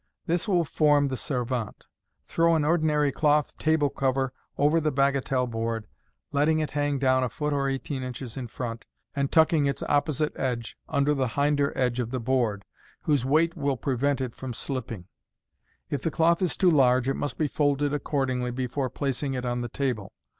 This will form the servante. Throw an ordinary cloth table cover over the bagatelle board, letting it hang down a foot or eighteen inches in front, and tucking its oppo site edge under the hinder" edge of the board, whose weight will prevent it slipping. If the cloth is too large, it must be folded accordingly before placing it on the table.